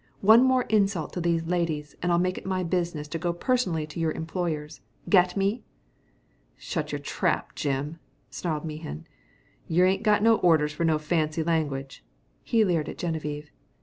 One more insult to these ladies and I'll make it my business to go personally to your employers. Get me?" "Shut your trap, Jim," snarled Mehan. "Yer ain't got no orders fer no fancy language." He leered at Geneviève.